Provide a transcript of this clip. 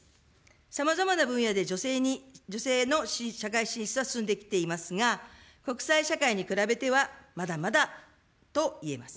さまざまな分野で女性の社会進出が進んできていますが、国際社会に比べては、まだまだといえます。